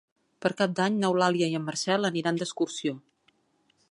Per Cap d'Any n'Eulàlia i en Marcel aniran d'excursió.